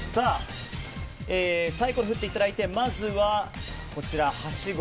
サイコロを振っていただいてまずは、はしご